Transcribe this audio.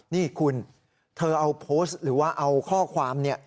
นี่คุณเธอเอาโพสต์หรือว่าเอาข้อความเนี่ย